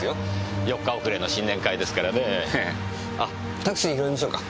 あっタクシー拾いましょうか？